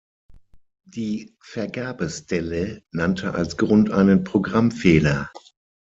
Die Vergabestelle nannte als Grund einen Programmfehler.